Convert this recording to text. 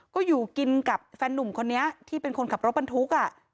ก็อยู่กินกับแฟนนุ่มคนนี้ที่เป็นคนขับรถบรรทุก